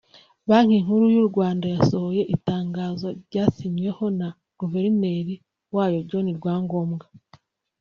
Banki Nkuru y’u Rwanda yasohoye itangazo ryasinyweho na Guverineri wayo John Rwangombwa